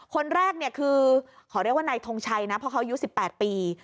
คนแรกเนี่ยคือเขาเรียกว่าในทงชัยนะเพราะเขายุดสิบแปดปี